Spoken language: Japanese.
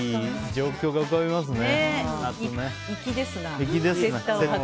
状況が浮かびますね。